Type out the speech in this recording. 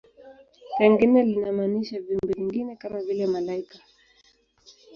Pengine linamaanisha viumbe vingine, kama vile malaika.